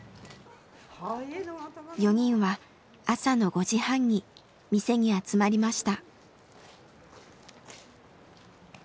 ４人は朝の５時半に店に集まりました。